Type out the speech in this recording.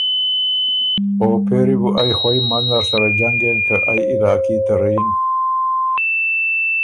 او پېری بو ائ خوئ منځ نر سره جنګېن که ائ علاقي ته رئ یِن۔